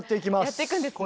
やっていくんですね。